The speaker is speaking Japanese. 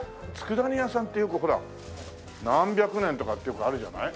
佃煮屋さんってよくほら何百年とかってよくあるじゃない？